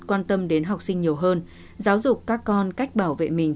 quan tâm đến học sinh nhiều hơn giáo dục các con cách bảo vệ mình